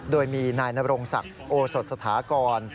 โดยมีนายนรงศักดิ์โอสดสถากร